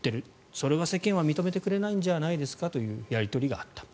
それは世間は認めてくれないんじゃないですかというやり取りがあった。